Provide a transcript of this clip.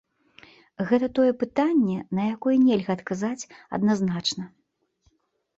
Гэта тое пытанне, на якое нельга адказаць адназначна.